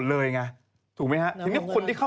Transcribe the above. ลักษณะอย่างนั้นนะหนูว่า